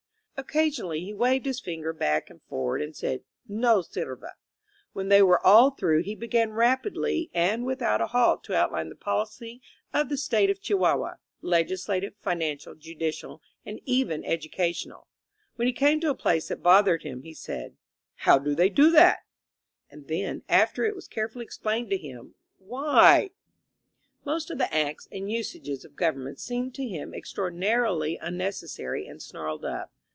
Occasionally he waved his finger back and forward and said: "No sirve. When they were all through he began rapidly and without a halt to outline the policy of the State of Chihuahua, legislative, financial, judicial, and even edu cational. When he came to a place that bothered him, he said: ^How do they do that?" And then, after 122 A PEON IN POLITICS it was carefully explained to him: *^Why?" Most of the acts and usages of government seemed to him ex traordinarily unnecessary and snarled up.